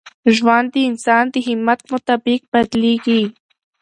ژوند د انسان د همت مطابق بدلېږي.